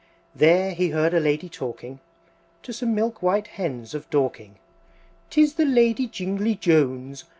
There he heard a Lady talking, To some milk white Hens of Dorking, "'Tis the Lady Jingly Jones!